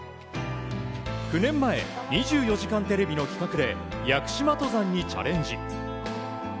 ９年前「２４時間テレビ」の企画で屋久島登山にチャレンジ。